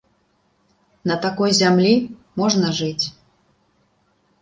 На такой зямлі можна жыць.